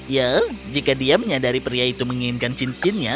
ya jika dia menyadari pria itu menginginkan cincinnya